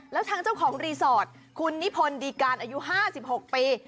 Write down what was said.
แล้วทางเจ้าของรีสอร์ทคุณนิพนธ์ดีการอายุ๕๖ปี